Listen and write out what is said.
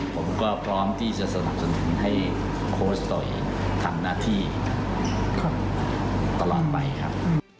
ผมก็พร้อมที่จะสนับสนุนให้โค้ชโตยทำหน้าที่ตลอดไปครับ